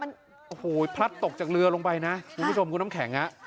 มันโอ้โหพลัดตกจากเรือลงไปนะคุณผู้ชมคุณน้ำแข็ง